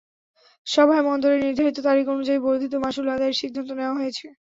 সভায় বন্দরের নির্ধারিত তারিখ অনুযায়ী বর্ধিত মাশুল আদায়ের সিদ্ধান্ত নেওয়া হয়েছে।